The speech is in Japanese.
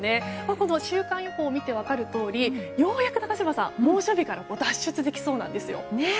この週間予報を見て分かるとおりようやく猛暑日から脱出できそうなんですよ。